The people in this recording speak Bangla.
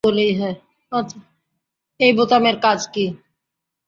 এই বোতামের কাজ কী?